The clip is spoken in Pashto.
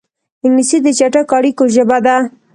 انګلیسي د چټکو اړیکو ژبه ده